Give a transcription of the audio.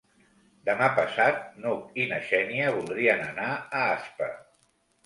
Demà passat n'Hug i na Xènia voldrien anar a Aspa.